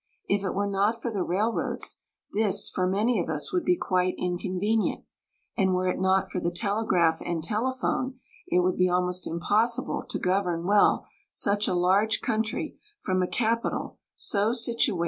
If it were not for the railroads, this, for many of us, would be quite inconvenient ; and were it not for the telegraph and telephone it would be almost impossible to govern well such a large country from a capital so situated.